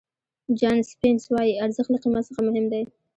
جان سپینس وایي ارزښت له قیمت څخه مهم دی.